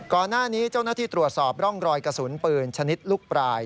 ก่อนหน้านี้เจ้าหน้าที่ตรวจสอบร่องรอยกระสุนปืนชนิดลูกปลาย